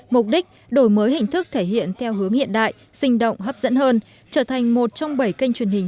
mục đích đổi mới hình thức thể hiện theo hướng hiện đại sinh động hấp dẫn hơn trở thành một trong bảy kênh truyền hình